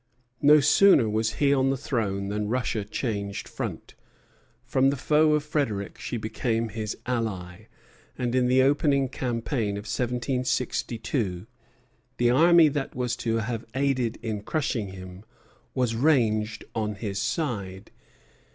No sooner was he on the throne than Russia changed front. From the foe of Frederic she became his ally; and in the opening campaign of 1762 the army that was to have aided in crushing him was ranged on his side.